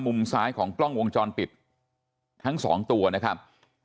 มุมซ้ายของกล้องวงจรปิดทั้งสองตัวนะครับ